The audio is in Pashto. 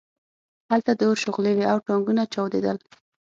هلته د اور شغلې وې او ټانکونه چاودېدل